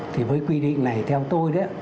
thì với quy định này theo tôi